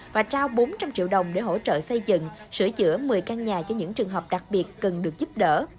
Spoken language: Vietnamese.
và trao bốn trăm linh triệu đồng để hỗ trợ xây dựng sửa chữa một mươi căn nhà cho những trường hợp đặc biệt cần được giúp đỡ